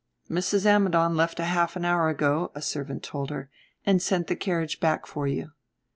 "Mrs. Ammidon left a half hour ago," a servant told her; "and sent the carriage back for you."